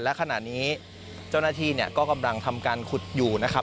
และขณะนี้เจ้าหน้าที่เนี่ยก็กำลังทำการขุดอยู่นะครับ